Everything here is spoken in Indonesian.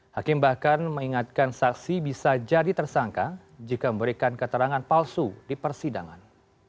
hakim bahkan mengingatkan saksi bisa jadi tersangka jika memberikan keterangan palsu di persidangan